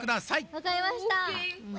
わかりました。